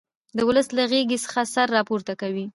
د ولس له غېږې څخه سر را پورته کوي.